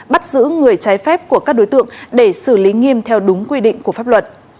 bắt giữ người trái phép của các đối tượng để xử lý nghiêm theo đúng quy định của pháp luật